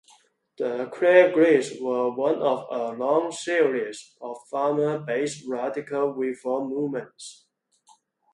The "Clear Grits" were one of a long series of farmer-based radical reform movements.